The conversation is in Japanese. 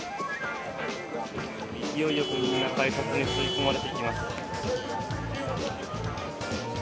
勢いよく、みんな改札に吸い込まれていきます。